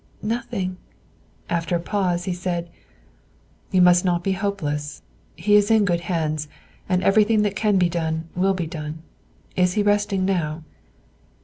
"Nothing." After a pause he said, "You must not be hopeless; he is in good hands, and everything that can be done will be done. Is he resting now?"